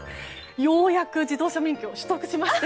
ようやく自動車免許を取得しまして。